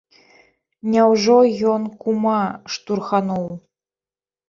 Няўжо ён кума штурхануў?